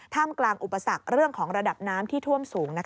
มกลางอุปสรรคเรื่องของระดับน้ำที่ท่วมสูง